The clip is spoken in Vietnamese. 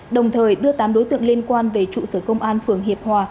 đồng thời đưa tám đối tượng liên quan về trụ sở công an phường hiệp hòa